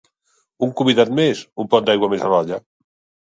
Un convidat més? Un pot d'aigua més a l'olla.